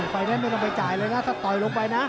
ไฟแนนซ์ไม่ต้องไปจ่ายเลยนะถ้าต่อยลงไปนะ